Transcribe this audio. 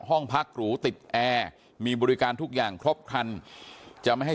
ห้องพักหรูติดแอร์มีบริการทุกอย่างครบครันจะไม่ให้